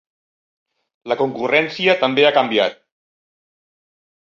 La concurrència també ha canviat.